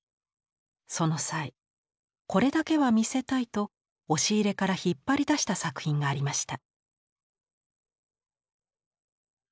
その際これだけは見せたいと押し入れから引っ張り出した作品がありました。